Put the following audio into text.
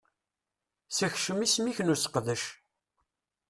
Sekcem isem-ik n useqdac.